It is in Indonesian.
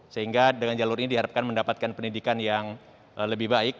sehingga dengan jalur ini diharapkan mendapatkan pendidikan yang lebih baik